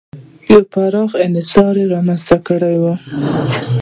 یو پراخ انحصار یې رامنځته کړی و.